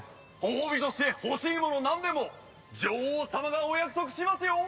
「褒美として欲しいものなんでも女王様がお約束しますよ！」